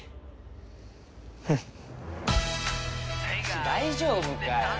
足大丈夫かよ！